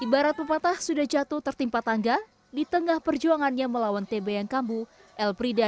ibarat pepatah sudah jatuh tertimpa tangga di tengah perjuangannya melawan tb yang kambu elbrida